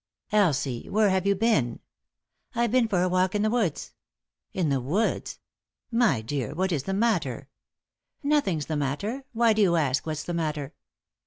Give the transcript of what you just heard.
" Elsie ! Where hare you been ?"" I've been for a walk in the woods." " In the woods ? My dear, what is the matter 7 " "Nothing's the matter. Why do you ask what's the matter